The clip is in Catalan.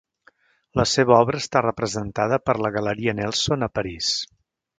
La seva obra està representada per la Galeria Nelson a París.